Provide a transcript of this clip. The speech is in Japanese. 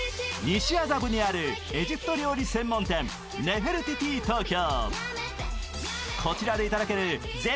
西麻布にあるエジプト料理専門店、ネフェルティティ東京。